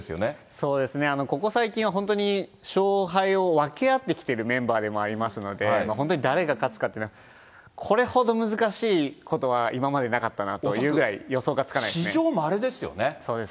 そうですね、ここ最近は本当に勝敗を分け合ってきたメンバーでもありますので、本当に誰が勝つかっていうのは、これほど難しいことは今までなかったなというぐらい、予想がつか史上まれですよね。